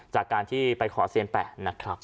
จากการที่ไปขอเซียนแปะนะครับ